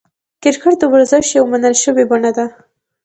کرکټ د ورزش یوه منل سوې بڼه ده.